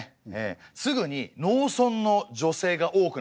すぐに農村の女性が多くなっていきました。